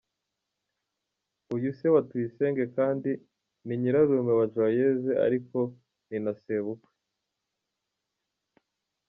Uyu se wa Tuyisenge kandi, ni nyirarume wa Joyeuse ariko ni na sebukwe.